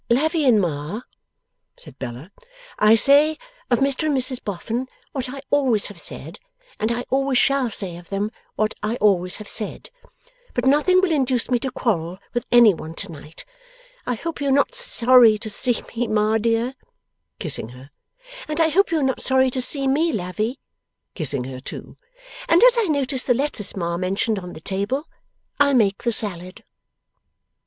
'Lavvy and Ma,' said Bella, 'I say of Mr and Mrs Boffin what I always have said; and I always shall say of them what I always have said. But nothing will induce me to quarrel with any one to night. I hope you are not sorry to see me, Ma dear,' kissing her; 'and I hope you are not sorry to see me, Lavvy,' kissing her too; 'and as I notice the lettuce Ma mentioned, on the table, I'll make the salad.